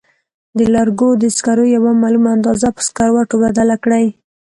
د لرګو د سکرو یوه معلومه اندازه په سکروټو بدله کړئ.